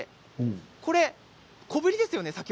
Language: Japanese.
小ぶりですよね